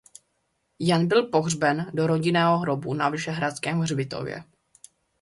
Jan byl pohřben do rodinného hrobu na Vyšehradském hřbitově.